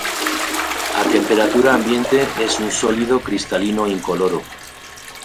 A temperatura ambiente es un sólido cristalino incoloro.